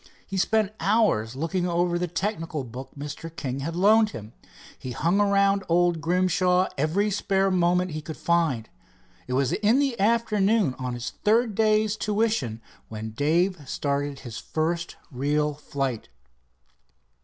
He spent hours looking over a technical book Mr. King had loaned him. He hung around old Grimshaw every spare moment he could find. It was the afternoon on his third day's tuition when Dave started his first real flight.